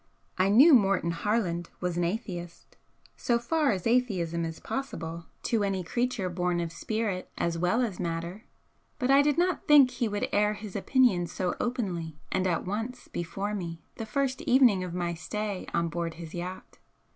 I knew Morton Harland was an atheist, so far as atheism is possible to any creature born of spirit as well as matter, but I did not think he would air his opinions so openly and at once before me the first evening of my stay on board his yacht.